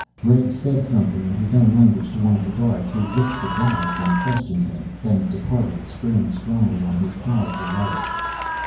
Bregg said something in his own language to one of the guards, who looked surprised and questioned him, then departed, springing strongly on his powerful legs.